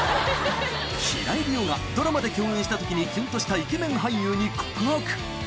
平井理央がドラマで共演したときにキュンとしたイケメン俳優に告白。